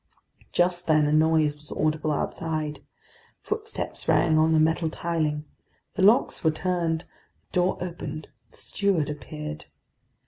Just then a noise was audible outside. Footsteps rang on the metal tiling. The locks were turned, the door opened, the steward appeared.